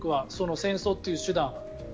戦争という手段は。